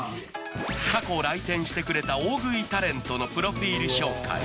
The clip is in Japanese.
過去来店してくれた大食いタレントのプロフィール紹介